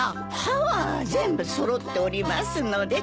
歯は全部揃っておりますので。